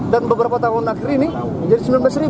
dan beberapa tahun nanti ini jadi sembilan belas